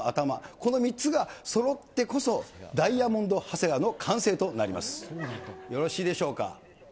この３つがそろってこそ、ダイヤモンド長谷川の完成となります。